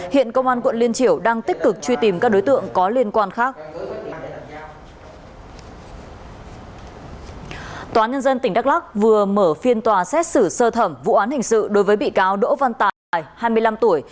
tòa nhân dân tỉnh đắk lắc vừa mở phiên tòa xét xử sơ thẩm vụ án hình sự đối với bị cáo đỗ văn tài hai mươi năm tuổi